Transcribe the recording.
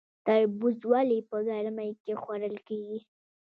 تربوز ولې په ګرمۍ کې خوړل کیږي؟